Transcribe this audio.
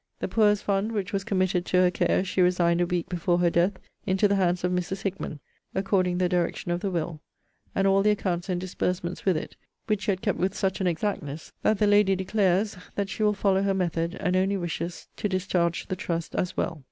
The poor's fund, which was committed to her care, she resigned a week before her death, into the hands of Mrs. Hickman, according the direction of the will, and all the accounts and disbursements with it; which she had kept with such an exactness, that the lady declares, that she will follow her method, and only wishes to discharge the trust as well.